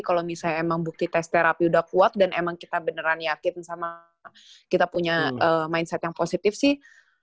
kalau misalnya emang bukti tes terapi udah kuat dan emang kita beneran yakin sama kita punya mindset yang positif sih